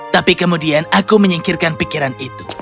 tapi kemudian aku menyingkirkan pikiran itu